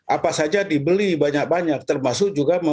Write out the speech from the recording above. apa saja dibeli banyak banyak termasuk juga